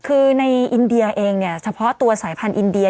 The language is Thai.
คือในอินเดียเองเนี่ยเฉพาะตัวสายพันธุอินเดีย